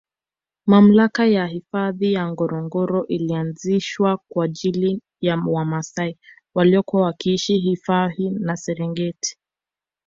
Mamlaka ya hifadhi ya Ngorongoro ilianzishwa kwaajili ya wamaasai waliokuwa wakiishi hifahi ya Serengeti